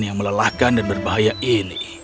yang melelahkan dan berbahaya ini